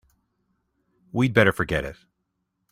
We'd better forget it.